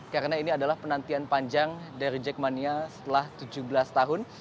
karena ini adalah penantian panjang dari jackmania setelah tujuh belas tahun